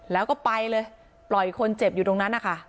แล้วก็ไปเลยปล่อยคนเจ็บอยู่ตรงนั้นนะคะ